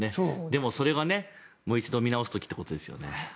でもそれが、一度見直す時ということですよね。